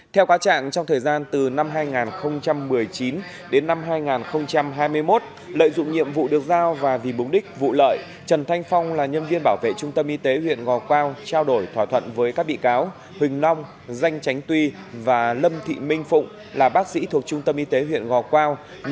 theo quá trạng trong thời gian từ năm hai nghìn một mươi chín đến năm hai nghìn hai mươi một lợi dụng nhiệm vụ được giao và vì mục đích vụ lợi trần thanh phong là nhân viên bảo vệ trung tâm y tế huyện ngò quao trao đổi thỏa thuận với các bị cáo huỳnh long danh tránh tuy và lâm thị minh phụng là bác sĩ thuộc trung tâm y tế huyện ngò quao